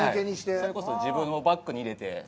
それこそ自分をバックに入れて。